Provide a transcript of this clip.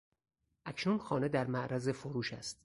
اکنون خانه در معرض فروش است.